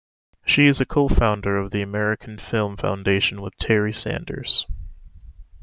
She is a co-founder of the American Film Foundation with Terry Sanders.